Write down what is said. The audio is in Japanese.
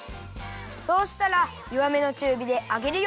そうしたらよわめのちゅうびで揚げるよ。